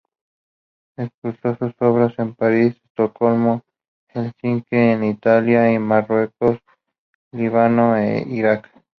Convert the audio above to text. Expuso sus obras en París, Estocolmo, Helsinki y en Italia, Marruecos, Líbano e Irak.